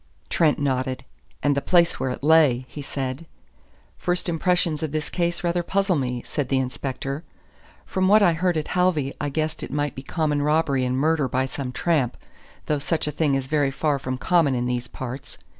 Trent nodded. "And the place where it lay," he said. "First impressions of this case rather puzzle me," said the inspector. "From what I heard at Halvey I guessed it might be common robbery and murder by some tramp, though such a thing is very far from common in these parts.